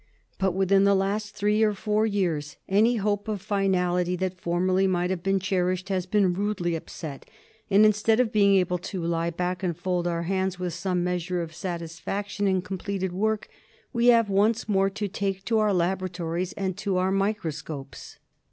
But within the last three or four years any hope of finality that formerly might have been cherished has been rudely upset, and, instead of being able to lie back and fold our hands with some measure of satisfaction in completed work, we have once more to take to our laboratories and to our microscopes.